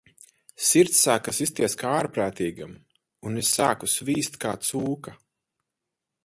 Sirds sāka sisties kā ārprātīgam, un es sāku svīst kā cūka.